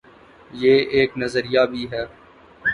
یہ ایک نظریہ بھی ہے۔